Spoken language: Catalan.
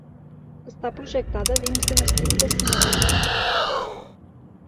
Està projectada dins d'una estricta simetria.